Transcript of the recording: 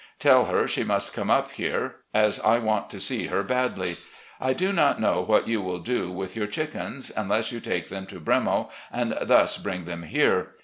Tell her she must come up here, as I want to see her badly. I do not know what you will do with your chickens, unless you take them to 'Bremo,' and thus bring them here.